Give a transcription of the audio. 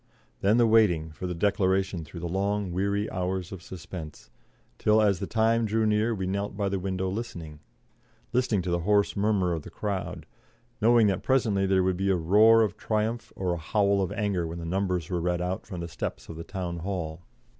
Then the waiting for the declaration through the long, weary hours of suspense, till as the time drew near we knelt by the window listening listening to the hoarse murmur of the crowd, knowing that presently there would be a roar of triumph or a howl of anger when the numbers were read out from the steps of the Town Hall.